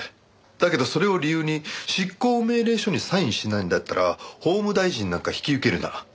だけどそれを理由に執行命令書にサインしないんだったら法務大臣なんか引き受けるな。